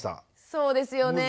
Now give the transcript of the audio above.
そうですよねえ。